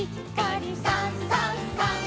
「さんさんさん」